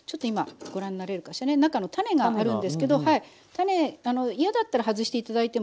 種嫌だったら外して頂いてもいいし